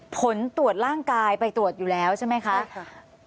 ผลตรวจร่างกายไปตรวจอยู่แล้วใช่ไหมคะใช่ค่ะ